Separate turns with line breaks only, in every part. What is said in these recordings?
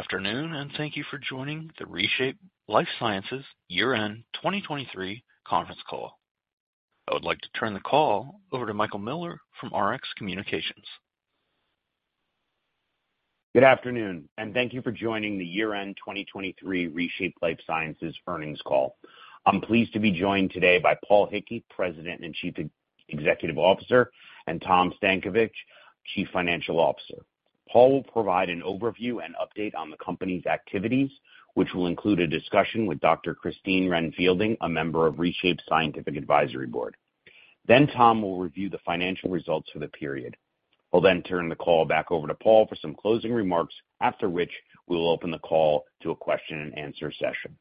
Good afternoon, and thank you for joining the ReShape Lifesciences year-end 2023 conference call. I would like to turn the call over to Michael Miller from Rx Communications.
Good afternoon, and thank you for joining the year-end 2023 ReShape Lifesciences earnings call. I'm pleased to be joined today by Paul Hickey, President and Chief Executive Officer, and Tom Stankovich, Chief Financial Officer. Paul will provide an overview and update on the company's activities, which will include a discussion with Dr. Christine Ren-Fielding, a member of ReShape's Scientific Advisory Board. Then Tom will review the financial results for the period. We'll then turn the call back over to Paul for some closing remarks, after which we will open the call to a question and answer session.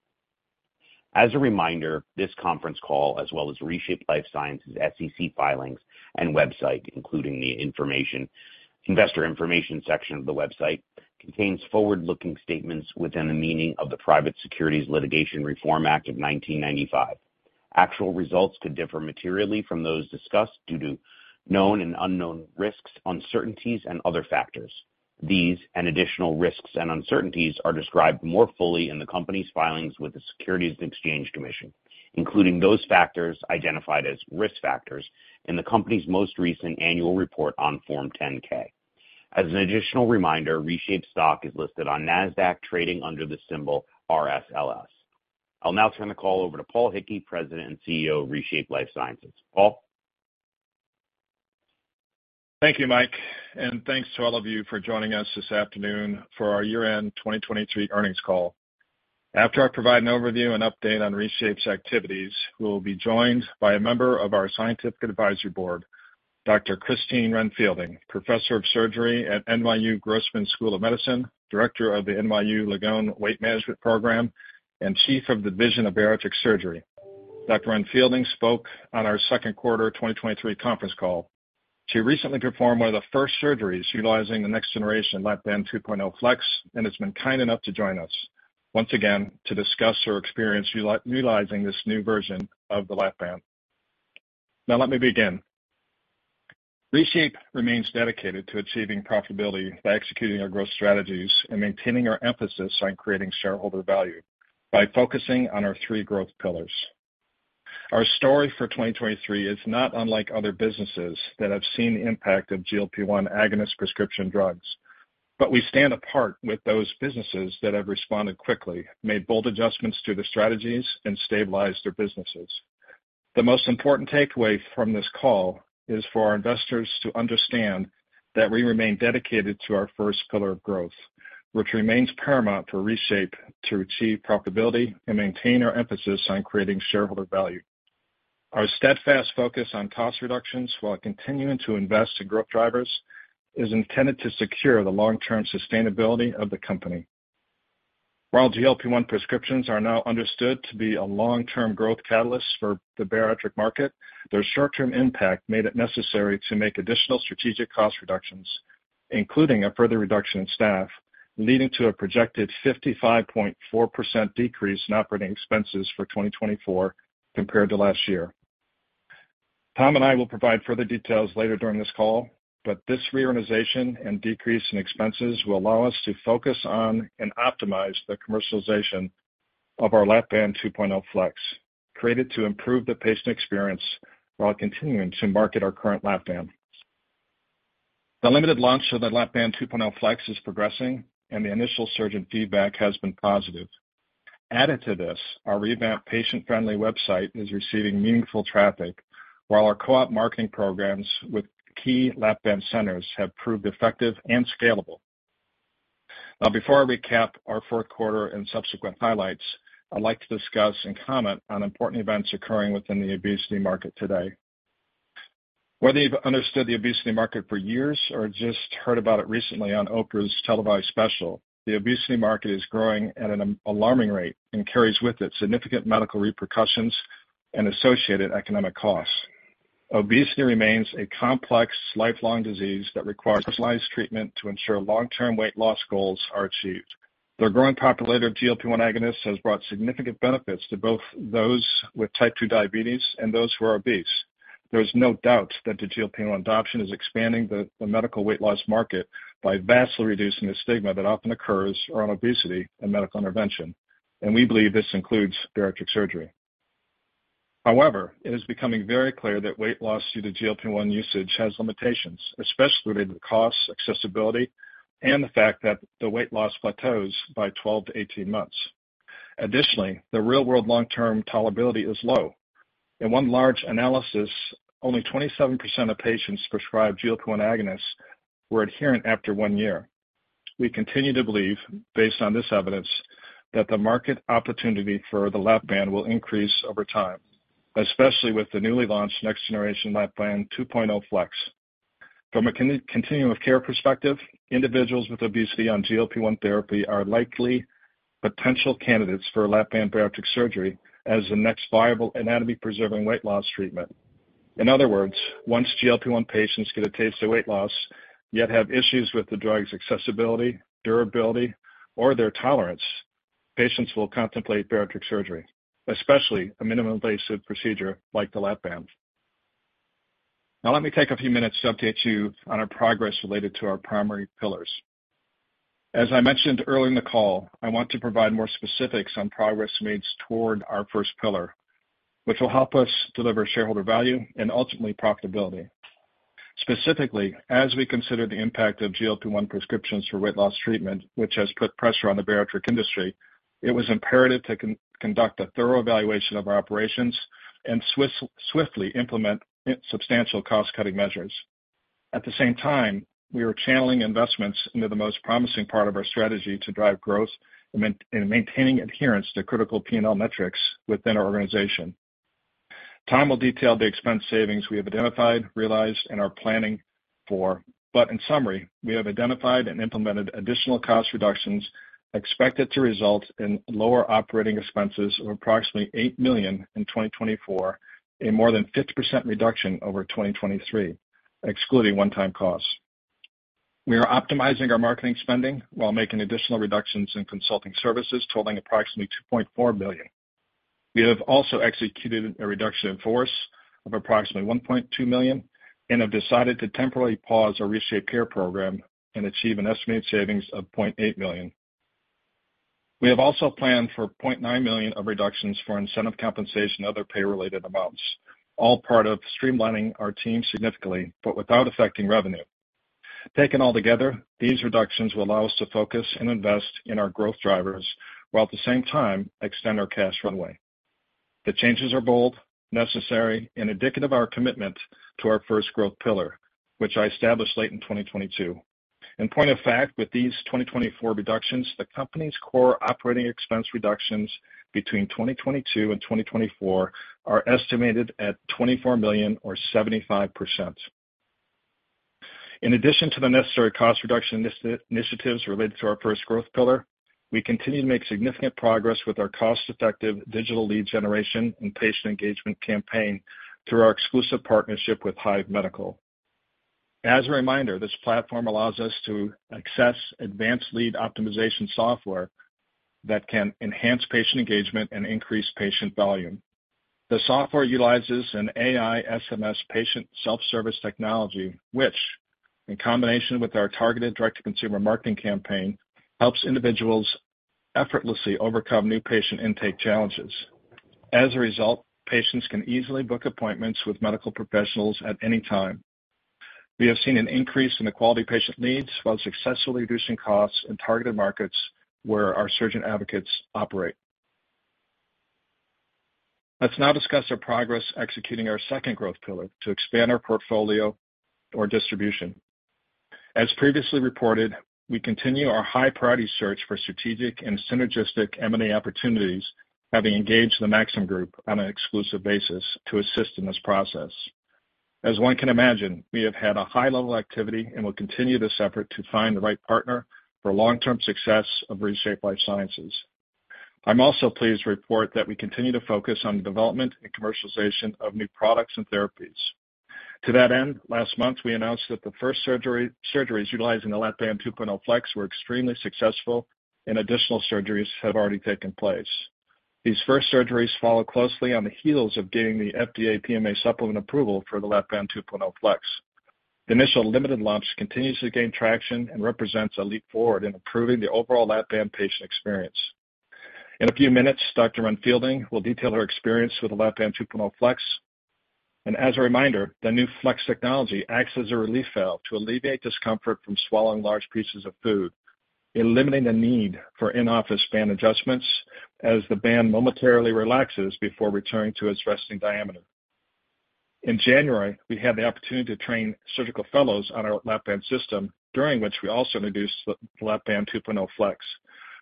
As a reminder, this conference call, as well as ReShape Lifesciences' SEC filings and website, including the investor information section of the website, contains forward-looking statements within the meaning of the Private Securities Litigation Reform Act of 1995. Actual results could differ materially from those discussed due to known and unknown risks, uncertainties, and other factors. These and additional risks and uncertainties are described more fully in the company's filings with the Securities and Exchange Commission, including those factors identified as risk factors in the company's most recent annual report on Form 10-K. As an additional reminder, ReShape stock is listed on NASDAQ, trading under the symbol RSLS. I'll now turn the call over to Paul Hickey, President and CEO of ReShape Lifesciences. Paul?
Thank you, Mike, and thanks to all of you for joining us this afternoon for our year-end 2023 earnings call. After I provide an overview and update on ReShape's activities, we will be joined by a member of our scientific advisory board, Dr. Christine Ren-Fielding, Professor of Surgery at NYU Grossman School of Medicine, Director of the NYU Langone Weight Management Program, and Chief of the Division of Bariatric Surgery. Dr. Ren-Fielding spoke on our second quarter of 2023 conference call. She recently performed one of the first surgeries utilizing the next generation Lap-Band 2.0 FLEX, and has been kind enough to join us once again to discuss her experience utilizing this new version of the Lap-Band. Now let me begin. ReShape remains dedicated to achieving profitability by executing our growth strategies and maintaining our emphasis on creating shareholder value by focusing on our three growth pillars. Our story for 2023 is not unlike other businesses that have seen the impact of GLP-1 agonist prescription drugs, but we stand apart with those businesses that have responded quickly, made bold adjustments to the strategies, and stabilized their businesses. The most important takeaway from this call is for our investors to understand that we remain dedicated to our first pillar of growth, which remains paramount for ReShape to achieve profitability and maintain our emphasis on creating shareholder value. Our steadfast focus on cost reductions while continuing to invest in growth drivers, is intended to secure the long-term sustainability of the company. While GLP-1 prescriptions are now understood to be a long-term growth catalyst for the bariatric market, their short-term impact made it necessary to make additional strategic cost reductions, including a further reduction in staff, leading to a projected 55.4% decrease in operating expenses for 2024 compared to last year. Tom and I will provide further details later during this call, but this reorganization and decrease in expenses will allow us to focus on and optimize the commercialization of our Lap-Band 2.0 FLEX, created to improve the patient experience while continuing to market our current Lap-Band. The limited launch of the Lap-Band 2.0 FLEX is progressing, and the initial surgeon feedback has been positive. Added to this, our revamped patient-friendly website is receiving meaningful traffic, while our co-op marketing programs with key Lap-Band centers have proved effective and scalable. Now, before I recap our fourth quarter and subsequent highlights, I'd like to discuss and comment on important events occurring within the obesity market today. Whether you've understood the obesity market for years or just heard about it recently on Oprah's televised special, the obesity market is growing at an alarming rate and carries with it significant medical repercussions and associated economic costs. Obesity remains a complex, lifelong disease that requires personalized treatment to ensure long-term weight loss goals are achieved. The growing population of GLP-1 agonists has brought significant benefits to both those with type II diabetes and those who are obese. There's no doubt that the GLP-1 adoption is expanding the medical weight loss market by vastly reducing the stigma that often occurs around obesity and medical intervention, and we believe this includes bariatric surgery. However, it is becoming very clear that weight loss due to GLP-1 usage has limitations, especially related to costs, accessibility, and the fact that the weight loss plateaus by 12 months-18 months. Additionally, the real-world long-term tolerability is low. In one large analysis, only 27% of patients prescribed GLP-1 agonists were adherent after one year. We continue to believe, based on this evidence, that the market opportunity for the Lap-Band will increase over time, especially with the newly launched next generation Lap-Band 2.0 FLEX. From a continuum of care perspective, individuals with obesity on GLP-1 therapy are likely potential candidates for Lap-Band bariatric surgery as the next viable anatomy-preserving weight loss treatment. In other words, once GLP-1 patients get a taste of weight loss, yet have issues with the drug's accessibility, durability, or their tolerance, patients will contemplate bariatric surgery, especially a minimally invasive procedure like the Lap-Band. Now let me take a few minutes to update you on our progress related to our primary pillars. As I mentioned earlier in the call, I want to provide more specifics on progress made toward our first pillar, which will help us deliver shareholder value and ultimately profitability. Specifically, as we consider the impact of GLP-1 prescriptions for weight loss treatment, which has put pressure on the bariatric industry, it was imperative to conduct a thorough evaluation of our operations and swiftly implement substantial cost-cutting measures. At the same time, we are channeling investments into the most promising part of our strategy to drive growth and maintaining adherence to critical PNL metrics within our organization. Tom will detail the expense savings we have identified, realized, and are planning for, but in summary, we have identified and implemented additional cost reductions expected to result in lower operating expenses of approximately $8 million in 2024, a more than 50% reduction over 2023, excluding one-time costs. We are optimizing our marketing spending while making additional reductions in consulting services totaling approximately $2.4 million. We have also executed a reduction in force of approximately $1.2 million and have decided to temporarily pause our ReShapeCare program and achieve an estimated savings of $0.8 million. We have also planned for $0.9 million of reductions for incentive compensation and other pay-related amounts, all part of streamlining our team significantly, but without affecting revenue. Taken altogether, these reductions will allow us to focus and invest in our growth drivers, while at the same time extend our cash runway. The changes are bold, necessary, and indicative of our commitment to our first growth pillar, which I established late in 2022. In point of fact, with these 2024 reductions, the company's core operating expense reductions between 2022 and 2024 are estimated at $24 million or 75%. In addition to the necessary cost reduction initiatives related to our first growth pillar, we continue to make significant progress with our cost-effective digital lead generation and patient engagement campaign through our exclusive partnership with Hive Medical. As a reminder, this platform allows us to access advanced lead optimization software that can enhance patient engagement and increase patient volume. The software utilizes an AI SMS patient self-service technology, which, in combination with our targeted direct-to-consumer marketing campaign, helps individuals effortlessly overcome new patient intake challenges. As a result, patients can easily book appointments with medical professionals at any time. We have seen an increase in the quality patient leads while successfully reducing costs in targeted markets where our surgeon advocates operate. Let's now discuss our progress executing our second growth pillar to expand our portfolio or distribution. As previously reported, we continue our high-priority search for strategic and synergistic M&A opportunities, having engaged the Maxim Group on an exclusive basis to assist in this process. As one can imagine, we have had a high level of activity and will continue this effort to find the right partner for long-term success of ReShape Life Sciences. I'm also pleased to report that we continue to focus on the development and commercialization of new products and therapies. To that end, last month, we announced that the first surgery, surgeries utilizing the Lap-Band 2.0 FLEX were extremely successful, and additional surgeries have already taken place. These first surgeries follow closely on the heels of getting the FDA PMA supplement approval for the Lap-Band 2.0 FLEX. The initial limited launch continues to gain traction and represents a leap forward in improving the overall Lap-Band patient experience. In a few minutes, Dr. Ren-Fielding will detail her experience with the Lap-Band 2.0 FLEX. As a reminder, the new FLEX technology acts as a relief valve to alleviate discomfort from swallowing large pieces of food, eliminating the need for in-office band adjustments as the band momentarily relaxes before returning to its resting diameter. In January, we had the opportunity to train surgical fellows on our Lap-Band system, during which we also introduced the Lap-Band 2.0 FLEX.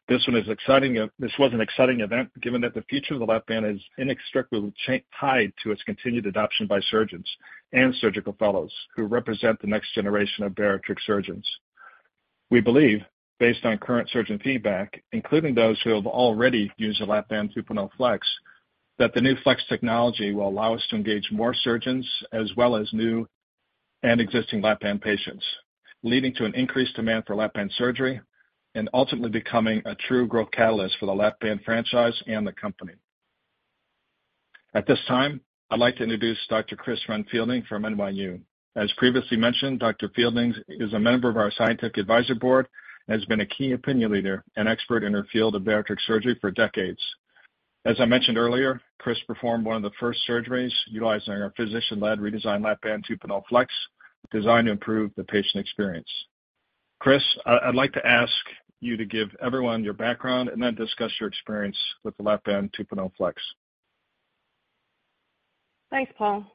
This one is exciting... This was an exciting event, given that the future of the Lap-Band is inextricably chained to its continued adoption by surgeons and surgical fellows who represent the next generation of bariatric surgeons. We believe, based on current surgeon feedback, including those who have already used the Lap-Band 2.0 FLEX, that the new FLEX technology will allow us to engage more surgeons as well as new and existing Lap-Band patients, leading to an increased demand for Lap-Band surgery and ultimately becoming a true growth catalyst for the Lap-Band franchise and the company. At this time, I'd like to introduce Dr. Chris Ren-Fielding from NYU. As previously mentioned, Dr. Fielding is a member of our scientific advisory board and has been a key opinion leader and expert in her field of bariatric surgery for decades. As I mentioned earlier, Chris performed one of the first surgeries utilizing our physician-led redesigned Lap-Band 2.0 FLEX, designed to improve the patient experience. Chris, I'd like to ask you to give everyone your background and then discuss your experience with the Lap-Band 2.0 FLEX.
Thanks, Paul.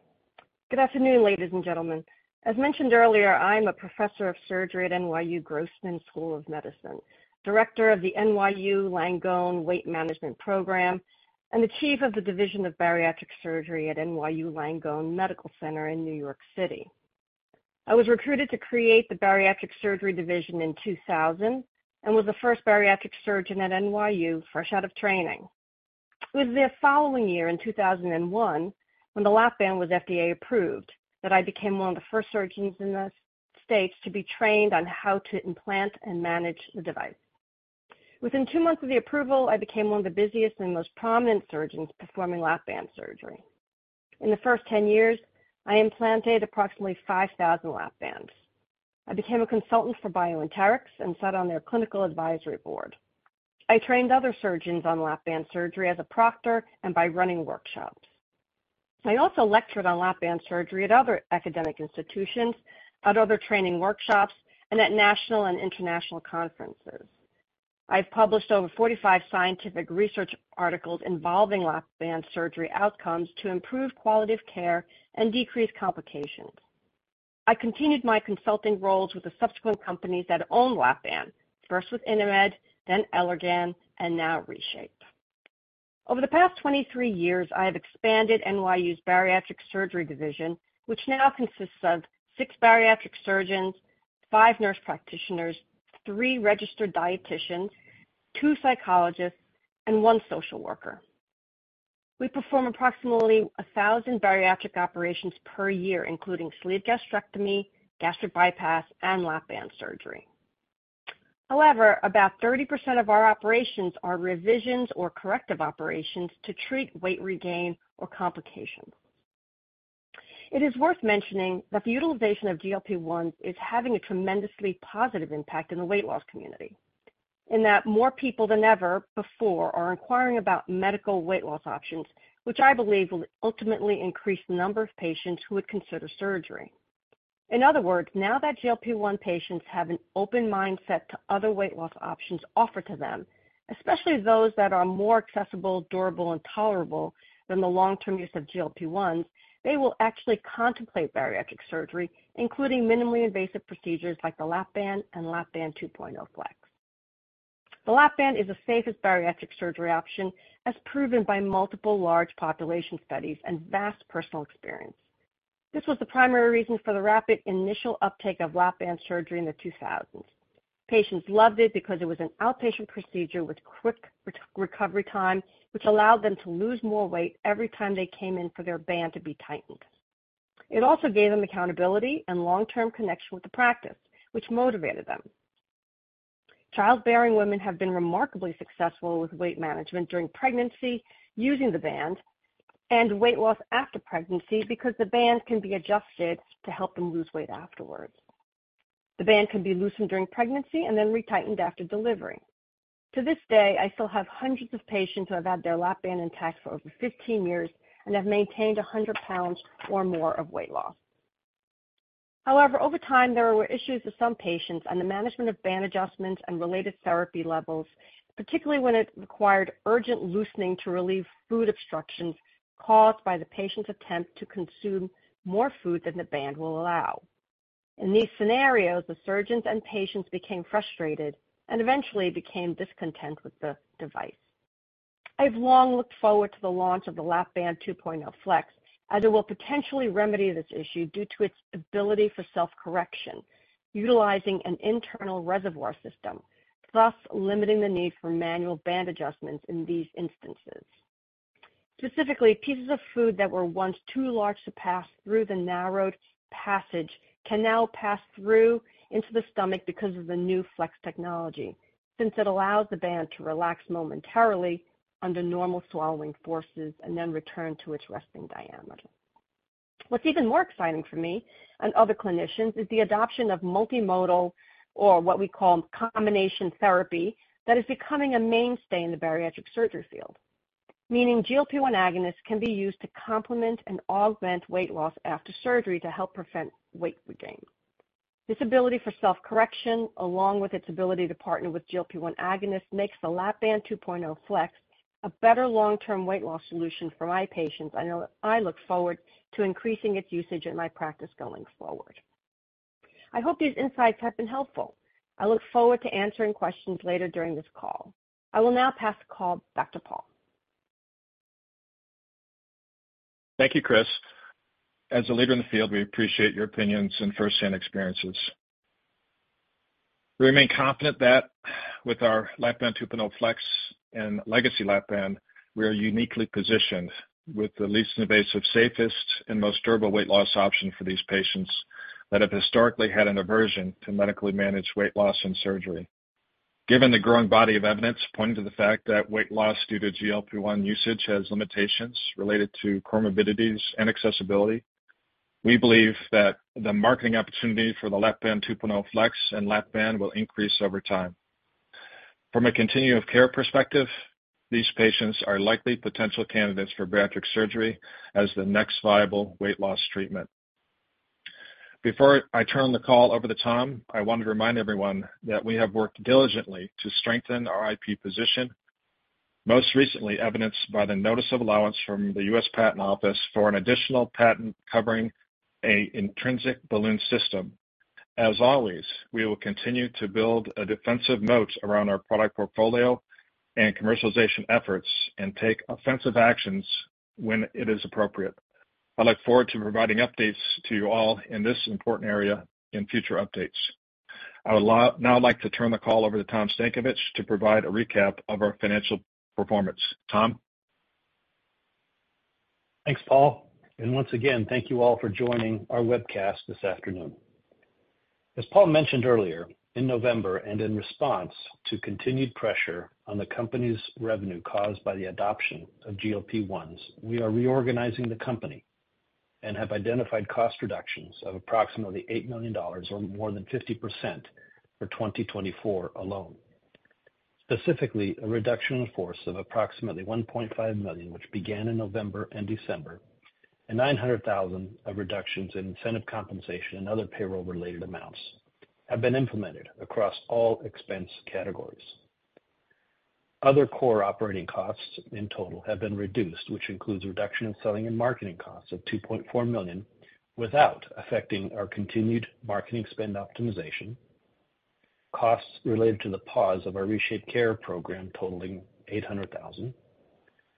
Good afternoon, ladies and gentlemen. As mentioned earlier, I'm a professor of surgery at NYU Grossman School of Medicine, director of the NYU Langone Weight Management Program, and the chief of the Division of Bariatric Surgery at NYU Langone Medical Center in New York City. I was recruited to create the Bariatric Surgery Division in 2000 and was the first bariatric surgeon at NYU, fresh out of training. It was the following year, in 2001, when the Lap-Band was FDA approved, that I became one of the first surgeons in the states to be trained on how to implant and manage the device. Within two months of the approval, I became one of the busiest and most prominent surgeons performing Lap-Band surgery. In the first 10 years, I implanted approximately 5,000 Lap-Bands. I became a consultant for BioEnterics and sat on their clinical advisory board. I trained other surgeons on Lap-Band surgery as a proctor and by running workshops. I also lectured on Lap-Band surgery at other academic institutions, at other training workshops, and at national and international conferences. I've published over 45 scientific research articles involving Lap-Band surgery outcomes to improve quality of care and decrease complications. I continued my consulting roles with the subsequent companies that own Lap-Band, first with Inamed, then Allergan, and now ReShape. Over the past 23 years, I have expanded NYU's bariatric surgery division, which now consists of six bariatric surgeons, five nurse practitioners, three registered dietitians, two psychologists, and one social worker. We perform approximately 1,000 bariatric operations per year, including sleeve gastrectomy, gastric bypass, and Lap-Band surgery. However, about 30% of our operations are revisions or corrective operations to treat weight regain or complications. It is worth mentioning that the utilization of GLP-1 is having a tremendously positive impact in the weight loss community, in that more people than ever before are inquiring about medical weight loss options, which I believe will ultimately increase the number of patients who would consider surgery. In other words, now that GLP-1 patients have an open mindset to other weight loss options offered to them, especially those that are more accessible, durable, and tolerable than the long-term use of GLP-1, they will actually contemplate bariatric surgery, including minimally invasive procedures like the Lap-Band and Lap-Band 2.0 FLEX. The Lap-Band is the safest bariatric surgery option, as proven by multiple large population studies and vast personal experience. This was the primary reason for the rapid initial uptake of Lap-Band surgery in the 2000s. Patients loved it because it was an outpatient procedure with quick re-recovery time, which allowed them to lose more weight every time they came in for their band to be tightened. It also gave them accountability and long-term connection with the practice, which motivated them. Childbearing women have been remarkably successful with weight management during pregnancy, using the band, and weight loss after pregnancy because the band can be adjusted to help them lose weight afterwards. The band can be loosened during pregnancy and then retightened after delivery. To this day, I still have hundreds of patients who have had their Lap-Band intact for over 15 years and have maintained 100 pounds or more of weight loss. However, over time, there were issues with some patients on the management of band adjustments and related therapy levels, particularly when it required urgent loosening to relieve food obstructions caused by the patient's attempt to consume more food than the band will allow. In these scenarios, the surgeons and patients became frustrated and eventually became discontent with the device. I've long looked forward to the launch of the Lap-Band 2.0 FLEX, as it will potentially remedy this issue due to its ability for self-correction, utilizing an internal reservoir system, thus limiting the need for manual band adjustments in these instances. Specifically, pieces of food that were once too large to pass through the narrowed passage can now pass through into the stomach because of the new flex technology, since it allows the band to relax momentarily under normal swallowing forces and then return to its resting diameter. What's even more exciting for me and other clinicians is the adoption of multimodal, or what we call combination therapy, that is becoming a mainstay in the bariatric surgery field. Meaning GLP-1 agonists can be used to complement and augment weight loss after surgery to help prevent weight regain. This ability for self-correction, along with its ability to partner with GLP-1 agonist, makes the Lap-Band 2.0 FLEX a better long-term weight loss solution for my patients. I know I look forward to increasing its usage in my practice going forward. I hope these insights have been helpful. I look forward to answering questions later during this call. I will now pass the call to back to Paul.
Thank you, Chris. As a leader in the field, we appreciate your opinions and firsthand experiences. We remain confident that with our Lap-Band 2.0 FLEX and Legacy Lap-Band, we are uniquely positioned with the least invasive, safest, and most durable weight loss option for these patients that have historically had an aversion to medically managed weight loss and surgery. Given the growing body of evidence pointing to the fact that weight loss due to GLP-1 usage has limitations related to comorbidities and accessibility, we believe that the marketing opportunity for the Lap-Band 2.0 FLEX and Lap-Band will increase over time. From a continuum of care perspective, these patients are likely potential candidates for bariatric surgery as the next viable weight loss treatment. Before I turn the call over to Tom, I want to remind everyone that we have worked diligently to strengthen our IP position, most recently evidenced by the notice of allowance from the U.S. Patent Office for an additional patent covering an intrinsic balloon system. As always, we will continue to build a defensive moat around our product portfolio and commercialization efforts and take offensive actions when it is appropriate. I look forward to providing updates to you all in this important area in future updates. Now I'd like to turn the call over to Tom Stankovich to provide a recap of our financial performance. Tom?...
Thanks, Paul. And once again, thank you all for joining our webcast this afternoon. As Paul mentioned earlier, in November, and in response to continued pressure on the company's revenue caused by the adoption of GLP-1s, we are reorganizing the company and have identified cost reductions of approximately $8 million, or more than 50%, for 2024 alone. Specifically, a reduction in force of approximately $1.5 million, which began in November and December, and $900,000 of reductions in incentive compensation and other payroll-related amounts have been implemented across all expense categories. Other core operating costs in total have been reduced, which includes reduction in selling and marketing costs of $2.4 million, without affecting our continued marketing spend optimization. Costs related to the pause of our ReShapeCare program totaling $800,000.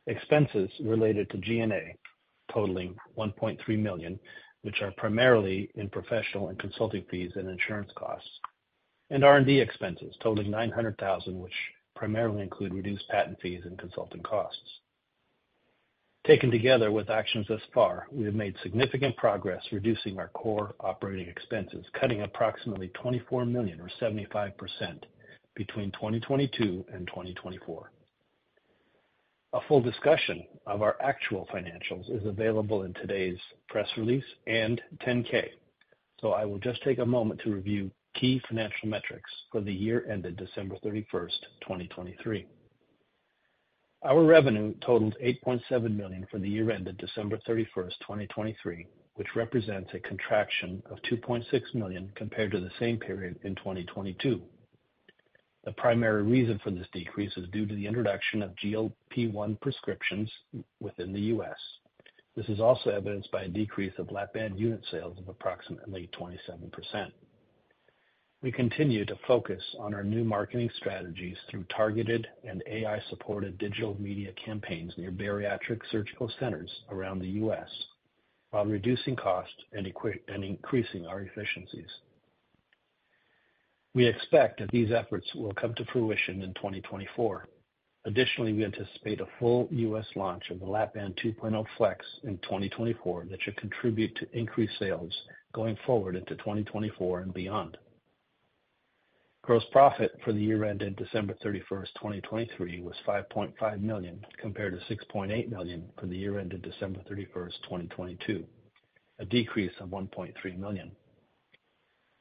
Expenses related to G&A totaling $1.3 million, which are primarily in professional and consulting fees and insurance costs. R&D expenses totaling $900,000, which primarily include reduced patent fees and consulting costs. Taken together with actions thus far, we have made significant progress reducing our core operating expenses, cutting approximately $24 million, or 75%, between 2022 and 2024. A full discussion of our actual financials is available in today's press release and 10-K, so I will just take a moment to review key financial metrics for the year ended December 31st, 2023. Our revenue totaled $8.7 million for the year ended December 31st, 2023, which represents a contraction of $2.6 million compared to the same period in 2022. The primary reason for this decrease is due to the introduction of GLP-1 prescriptions within the U.S. This is also evidenced by a decrease of Lap-Band unit sales of approximately 27%. We continue to focus on our new marketing strategies through targeted and AI-supported digital media campaigns near bariatric surgical centers around the U.S., while reducing costs and increasing our efficiencies. We expect that these efforts will come to fruition in 2024. Additionally, we anticipate a full U.S. launch of the Lap-Band 2.0 FLEX in 2024, that should contribute to increased sales going forward into 2024 and beyond. Gross profit for the year ended December 31st, 2023, was $5.5 million, compared to $6.8 million for the year ended December 31st, 2022, a decrease of $1.3 million.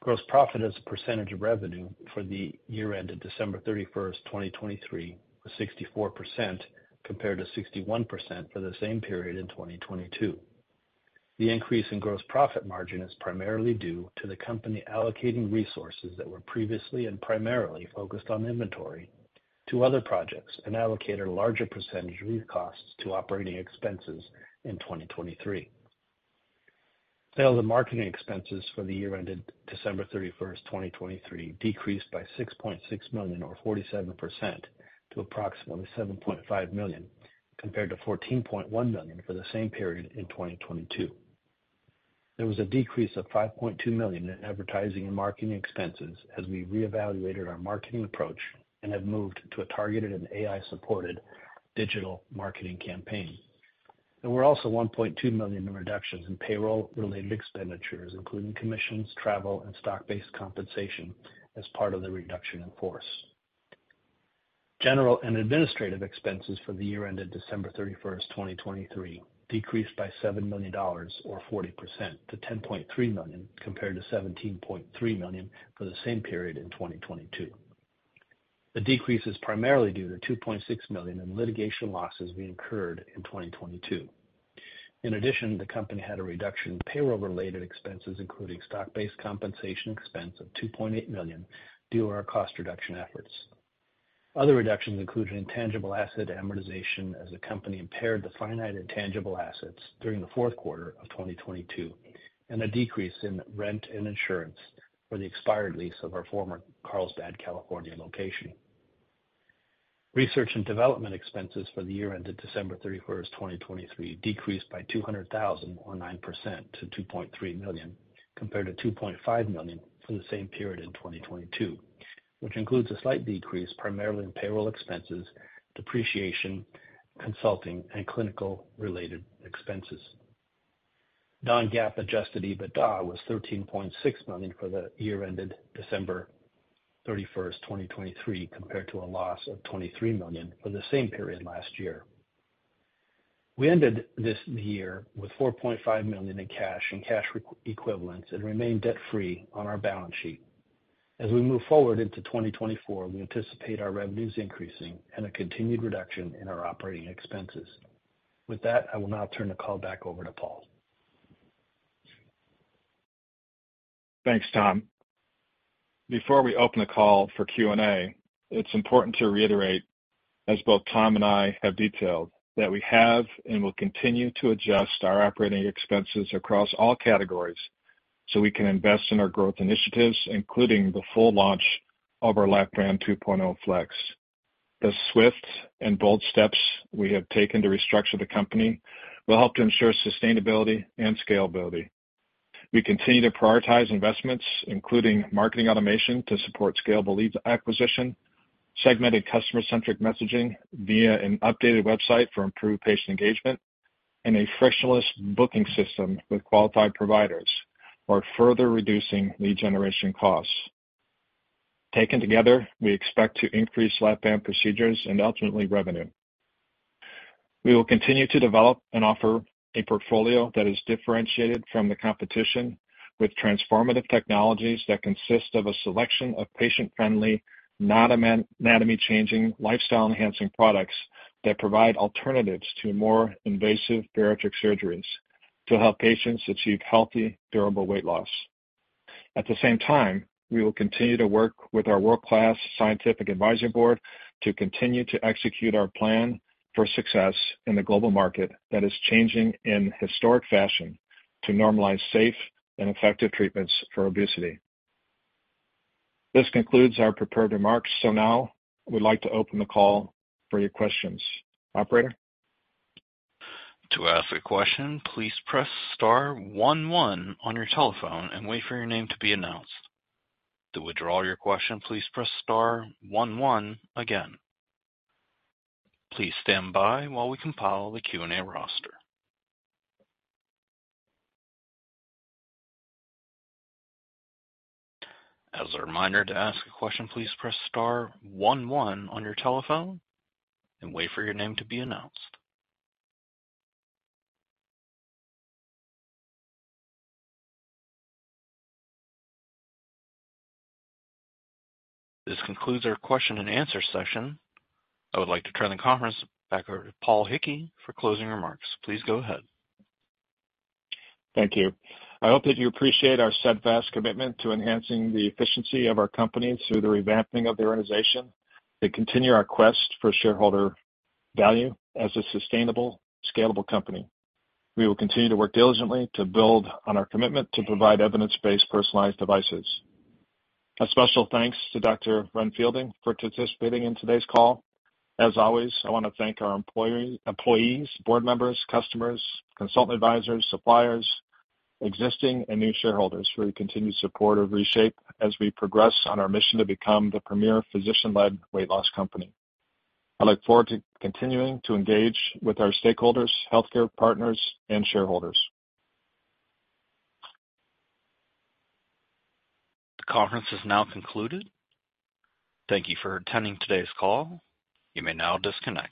Gross profit as a percentage of revenue for the year ended December 31st, 2023, was 64%, compared to 61% for the same period in 2022. The increase in gross profit margin is primarily due to the company allocating resources that were previously and primarily focused on inventory to other projects, and allocate a larger percentage of these costs to operating expenses in 2023. Sales and marketing expenses for the year ended December 31st, 2023, decreased by $6.6 million, or 47%, to approximately $7.5 million, compared to $14.1 million for the same period in 2022. There was a decrease of $5.2 million in advertising and marketing expenses as we reevaluated our marketing approach and have moved to a targeted and AI-supported digital marketing campaign. There were also $1.2 million in reductions in payroll-related expenditures, including commissions, travel, and stock-based compensation as part of the reduction in force. General and administrative expenses for the year ended December 31st, 2023, decreased by $7 million, or 40%, to $10.3 million, compared to $17.3 million for the same period in 2022. The decrease is primarily due to $2.6 million in litigation losses we incurred in 2022. In addition, the company had a reduction in payroll-related expenses, including stock-based compensation expense of $2.8 million, due to our cost reduction efforts. Other reductions included intangible asset amortization, as the company impaired the finite intangible assets during the fourth quarter of 2022, and a decrease in rent and insurance for the expired lease of our former Carlsbad, California, location. Research and development expenses for the year ended December 31st, 2023, decreased by $200,000, or 9%, to $2.3 million, compared to $2.5 million for the same period in 2022, which includes a slight decrease, primarily in payroll expenses, depreciation, consulting, and clinical-related expenses. Non-GAAP adjusted EBITDA was $13.6 million for the year ended December 31st, 2023, compared to a loss of $23 million for the same period last year. We ended this year with $4.5 million in cash and cash equivalents and remain debt-free on our balance sheet. As we move forward into 2024, we anticipate our revenues increasing and a continued reduction in our operating expenses. With that, I will now turn the call back over to Paul.
Thanks, Tom. Before we open the call for Q&A, it's important to reiterate, as both Tom and I have detailed, that we have and will continue to adjust our operating expenses across all categories, so we can invest in our growth initiatives, including the full launch of our Lap-Band 2.0 FLEX. The swift and bold steps we have taken to restructure the company will help to ensure sustainability and scalability. We continue to prioritize investments, including marketing automation, to support scalable lead acquisition, segmented customer-centric messaging via an updated website for improved patient engagement, and a frictionless booking system with qualified providers, while further reducing lead generation costs. Taken together, we expect to increase Lap-Band procedures and ultimately revenue. We will continue to develop and offer a portfolio that is differentiated from the competition, with transformative technologies that consist of a selection of patient-friendly, not anatomy-changing, lifestyle-enhancing products that provide alternatives to more invasive bariatric surgeries to help patients achieve healthy, durable weight loss. At the same time, we will continue to work with our world-class scientific advisory board to continue to execute our plan for success in the global market that is changing in historic fashion to normalize safe and effective treatments for obesity. This concludes our prepared remarks. So now we'd like to open the call for your questions. Operator?
To ask a question, please press star one, one on your telephone and wait for your name to be announced. To withdraw your question, please press star one, one again. Please stand by while we compile the Q&A roster. As a reminder, to ask a question, please press star one, one on your telephone and wait for your name to be announced. This concludes our question and answer session. I would like to turn the conference back over to Paul Hickey for closing remarks. Please go ahead.
Thank you. I hope that you appreciate our steadfast commitment to enhancing the efficiency of our company through the revamping of the organization and continue our quest for shareholder value as a sustainable, scalable company. We will continue to work diligently to build on our commitment to provide evidence-based, personalized devices. A special thanks to Dr. Ren-Fielding for participating in today's call. As always, I want to thank our employees, board members, customers, consultant advisors, suppliers, existing and new shareholders for your continued support of ReShape as we progress on our mission to become the premier physician-led weight loss company. I look forward to continuing to engage with our stakeholders, healthcare partners, and shareholders.
The conference is now concluded. Thank you for attending today's call. You may now disconnect.